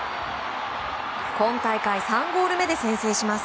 今大会３ゴール目で先制します。